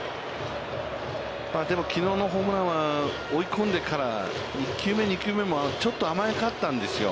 でもきのうのホームランは追い込んでから１球目、２球目もちょっと甘かったんですよ。